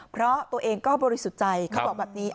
เพราะตัวเองก็บริสุทธิ์ใจเขาบอกแบบนี้